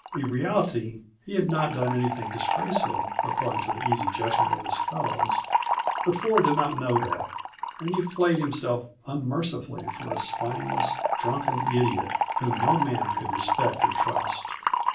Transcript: In reality he had not done anything disgraceful, according to the easy judgment of his fellows; but Ford did not know that, and he flayed himself unmercifully for a spineless, drunken idiot whom no man could respect or trust.